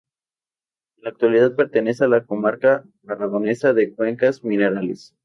En la actualidad pertenece a la comarca aragonesa de Cuencas Mineras.